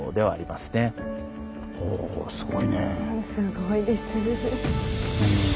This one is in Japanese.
すごいです。